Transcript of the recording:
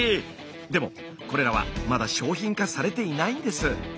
でもこれらはまだ商品化されていないんです。